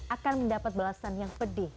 akan mendapat balasan yang pedih